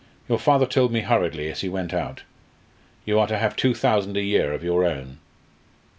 Your father told me hurriedly as he went out. You are to have two thousand a year of your own."